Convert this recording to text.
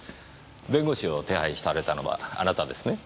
弁護士を手配されたのはあなたですね？